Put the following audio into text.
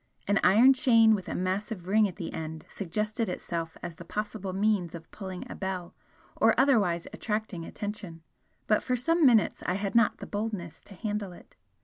An iron chain with a massive ring at the end suggested itself as the possible means of pulling a bell or otherwise attracting attention; but for some minutes I had not the boldness to handle it.